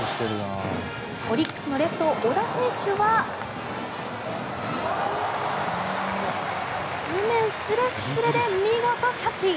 オリックスのレフト小田選手は地面すれっすれで見事キャッチ！